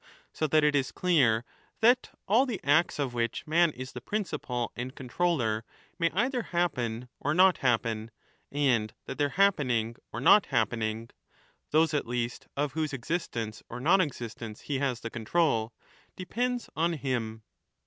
So that it is clear that all the 5 acts of which man is the principle and controller may either happen or not happen, and that their happening or not happening — those at least of whose existence or non existence he has the control — depends on him.